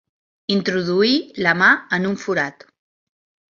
Introduir la mà en un forat.